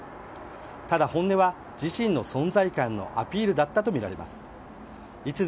ただ、本音は自身の存在感のアピールだったとみられます。